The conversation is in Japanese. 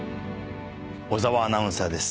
小澤アナウンサーです。